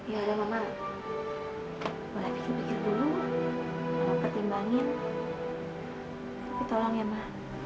yaudah mama boleh bikin bikin dulu mama pertimbangin tapi tolong ya ma